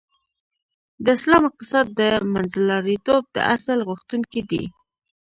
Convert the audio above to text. د اسلام اقتصاد د منځلاریتوب د اصل غوښتونکی دی .